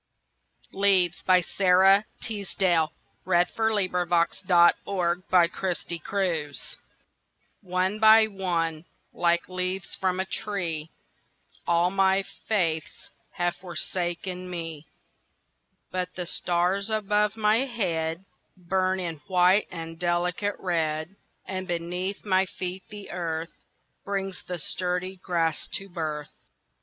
Leaves By Sara Teasdale ONE by one, like leaves from a tree, All my faiths have forsaken me; But the stars above my headBurn in white and delicate red, And beneath my feet the earthBrings the sturdy grass to birth.